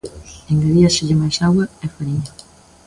Engadíaselle máis auga e fariña.